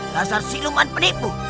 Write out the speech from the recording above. dasar siluman penipu